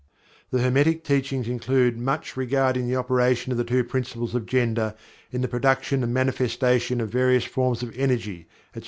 The Hermetic Teachings include much regarding the operation of the two principles of Gender in the production and manifestation of various forms of energy, etc.